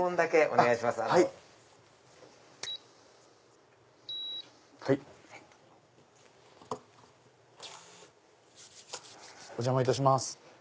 お邪魔いたします。